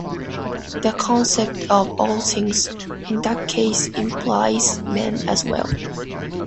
The concept of "all things" in this case implies man as well.